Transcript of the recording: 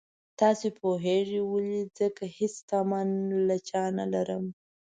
تاسو پوهېږئ ولې ځکه هېڅ تمه له چا نه لرم.